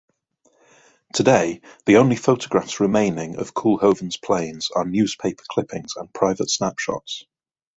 Today, the only photographs remaining of Koolhoven's planes are newspaper clippings and private snapshots.